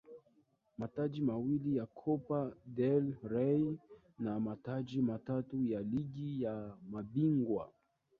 Mataji mawili ya Copa del Rey na mataji matatu ya Ligi ya Mabingwa